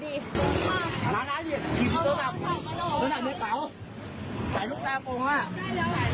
แจ้งตรงส่วนมาแจ้งตรงส่วนมา